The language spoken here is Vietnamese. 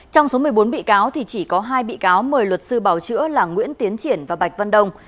trong số một mươi bốn bị cáo thì chỉ có hai bị cáo mời luật sư bảo chữa là nguyễn tiến triển và bạch văn đông